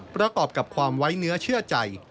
ประกอบกับความไว้เนื้อเชื่อใจ